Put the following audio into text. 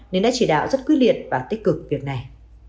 nên đã chỉ đạo rất quyết liệt và tích cực việc này